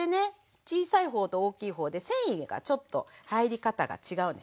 小さいほうと大きいほうで繊維がちょっと入り方が違うんですね。